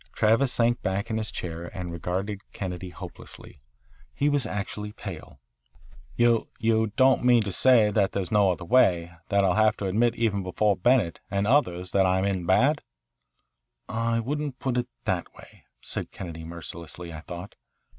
Travis sank back in his chair and regarded Kennedy hopelessly. He was actually pale. "you you don't mean to say that there is no other way, that I'll have to admit even before Bennett and others that I'm in bad?" "I wouldn't put it that way," said Kennedy mercilessly, I thought.